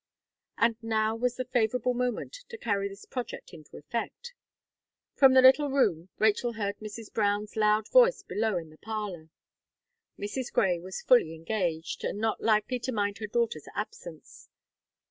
And now was the favourable moment to carry this project into effect. From the little room, Rachel heard Mrs. Brown's loud voice below in the parlour. Mrs. Gray was fully engaged, and not likely to mind her daughter's absence.